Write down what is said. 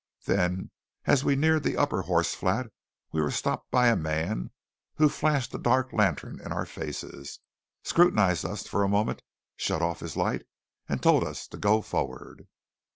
Then, as we neared the upper horse flat, we were stopped by a man who flashed a dark lantern in our faces, scrutinized us for a moment, shut off his light, and told us to go forward.